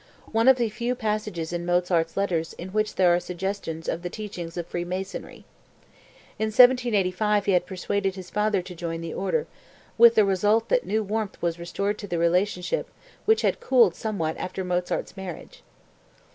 One of the few passages in Mozart's letters in which there are suggestions of the teachings of Freemasonry. In 1785 he had persuaded his father to join the order, with the result that new warmth was restored to the relationship which had cooled somewhat after Mozart's marriage.)